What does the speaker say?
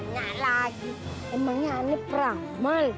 gak lagi emangnya ini perang mal